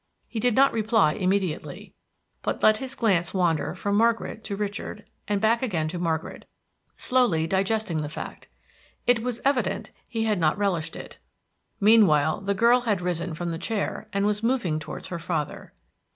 He did not reply immediately, but let his glance wander from Margaret to Richard, and back again to Margaret, slowly digesting the fact. It was evident he had not relished it. Meanwhile the girl had risen from the chair and was moving towards her father.